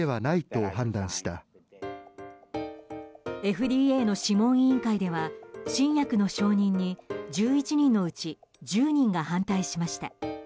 ＦＤＡの諮問委員会では新薬の承認に１１人のうち１０人が反対しました。